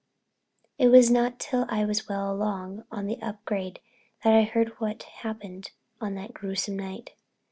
It was not till I was well along on the upgrade that I heard what happened on that gruesome night.